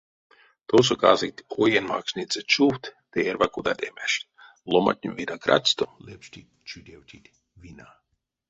Тосо касыть оень максниця чувтт ды эрьва кодат эмежть, ломантне виноградсто лепштить-чудевтить вина.